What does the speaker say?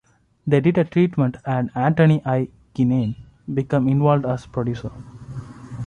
They did a treatment and Antony I. Ginnane became involved as producer.